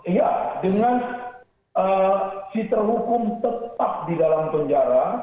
iya dengan si terhukum tetap di dalam penjara